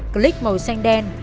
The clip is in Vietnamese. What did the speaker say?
click màu xanh đen